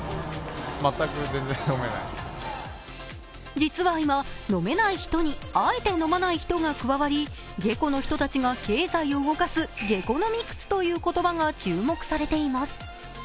実は今、飲めない人にあえて飲まない人が加わり下戸の人たちが経済を動かすゲコノミクスという言葉が注目されています。